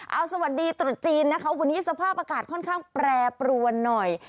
เอาสวัสดีตรุษจีนนะคะวันนี้สภาพอากาศค่อนข้างแปรปรวนหน่อย